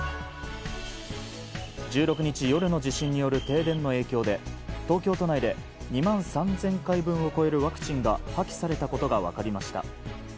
１６日夜の地震による停電の影響で東京都内で２万３０００回分を超えるワクチンが破棄されたことが分かりました。